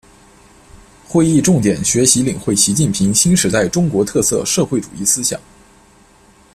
会议重点学习领会习近平新时代中国特色社会主义思想